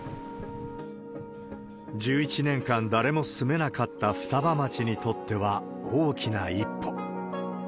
１１年間、誰も住めなかった双葉町にとっては、大きな一歩。